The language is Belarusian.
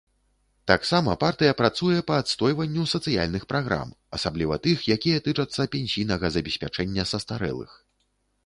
Таксама партыя працуе па адстойванню сацыяльных праграм, асабліва тых, якія тычацца пенсійнага забеспячэння састарэлых.